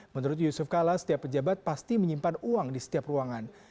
menurut yusuf kala setiap pejabat pasti menyimpan uang di setiap ruangan